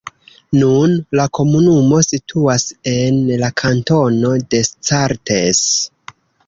Nun, la komunumo situas en la kantono Descartes.